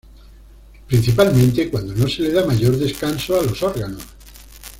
Principalmente cuando no se le da mayor descanso a los órganos.